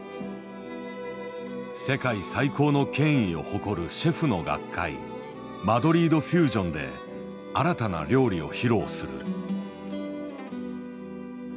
世界最高の権威を誇るシェフの学会「マドリード・フュージョン」で新たな料理を披露する。